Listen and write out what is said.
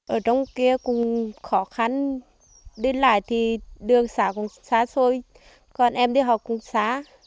ở trong kia cũng khó khăn đi lại thì đường xã cũng xa xôi còn em đi học cũng xá